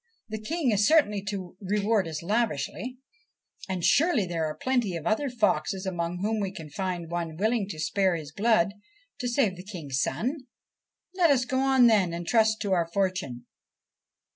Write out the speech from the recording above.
The King is certain to reward us lavishly, and surely there are plenty of other foxes among whom we can find one willing to spare his blood to save the King's son. Let us go on, then, and trust to our fortune.'